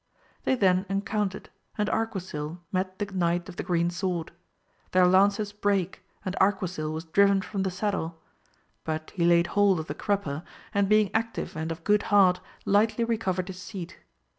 They then encountered, and Arquisil met the Knight of the Green Sword j their lances brake and 252 AMADIS OF GAUL. Arquisil was driven from the saddle, but he laid hold of the crupper, and being active and of good heart lightly recovered his seat.